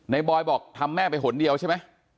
นายบอยบอกทำแม่ไปหนเดียวใช่มั้ย